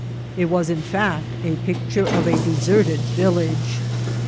It was, in fact, a picture of a deserted village.